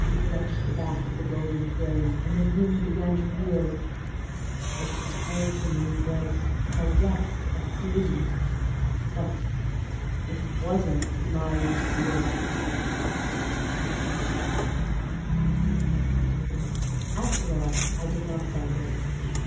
I clutched the back of the golden throne, and the room began to reel ... What she held to me was, ah yes! a flea, but ... it wasn't my Lucille. After all, I did not celebrate.